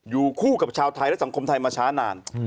อยู่คู่กับชาวไทยและสังคมไทยมาช้านาน